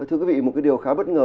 thưa quý vị một cái điều khá bất ngờ